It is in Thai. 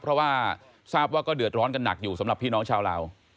เพราะว่าทราบว่าก็เดือดร้อนกันหนักอยู่สำหรับพี่น้องชาวลาว